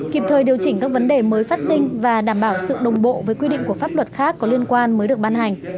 kịp thời điều chỉnh các vấn đề mới phát sinh và đảm bảo sự đồng bộ với quy định của pháp luật khác có liên quan mới được ban hành